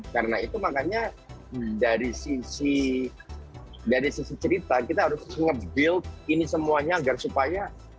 karena itu makanya dari sisi cerita kita harus nge build ini semuanya agar supaya